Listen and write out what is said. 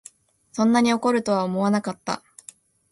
そんなに怒るとは思わなかった